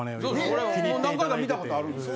俺も何回か見たことあるんですよ。